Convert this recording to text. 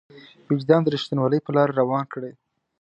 وجدان د رښتينولۍ په لاره روان کړي.